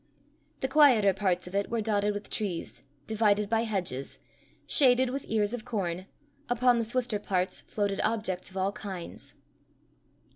The quieter parts of it were dotted with trees, divided by hedges, shaded with ears of corn; upon the swifter parts floated objects of all kinds.